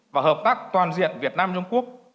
và hợp tác toàn diện việt nam trung quốc